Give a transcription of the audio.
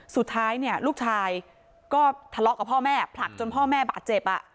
สุดท้ายเนี่ยลูกชายก็ทะเลาะกับพ่อแม่ผลักจนพ่อแม่บาดเจ็บ